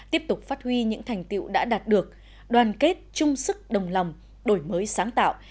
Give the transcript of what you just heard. tiếp tục phát huy những thành tiệu đã đạt được đoàn kết chung sức đồng lòng đổi mới sáng tạo